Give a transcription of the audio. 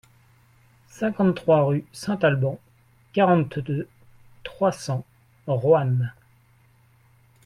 cinquante-trois rue Saint-Alban, quarante-deux, trois cents, Roanne